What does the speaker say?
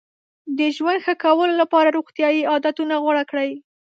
د ژوند ښه کولو لپاره روغتیایي عادتونه غوره کړئ.